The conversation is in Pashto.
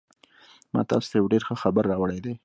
ما تاسو ته یو ډېر ښه خبر راوړی دی